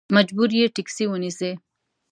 مجبور یې ټیکسي ونیسې.